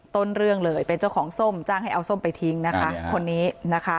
ต้นเรื่องเลยเป็นเจ้าของส้มจ้างให้เอาส้มไปทิ้งนะคะคนนี้นะคะ